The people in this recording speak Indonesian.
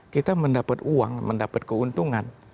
kita mendapat uang mendapat keuntungan